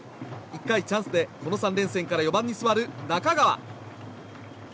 １回、チャンスでこの３連戦から４番に座る中川。